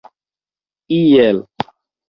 iel